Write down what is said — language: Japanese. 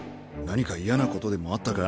何か嫌なことでもあったか？